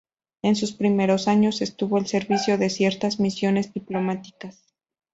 En sus primeros años estuvo al servicio de ciertas misiones diplomáticas.